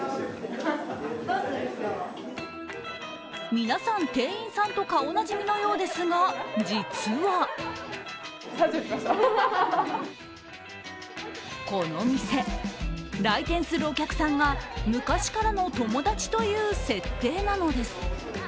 皆さん、店員さんと顔なじみのようですが、実はこの店、来店するお客さんが昔からの友達という設定なのです。